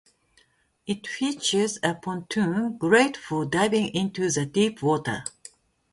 It features a pontoon great for diving into the deep water.